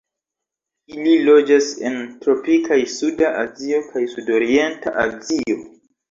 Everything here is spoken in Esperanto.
Ili loĝas en tropikaj Suda Azio kaj Sudorienta Azio.